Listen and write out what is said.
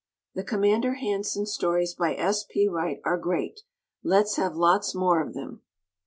The Commander Hanson stories by S. P. Wright are great. Let's have lots more of them.